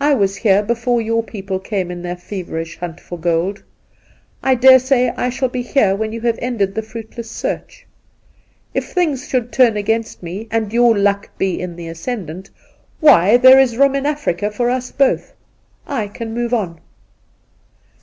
I was here, before your people came in their feverish hunt for gold. I dare say I shall be here when you have ended the fruitless search. If things should turn against me and your luck be in the ascendant — why ! there is room in Africa for us both. I can move on.'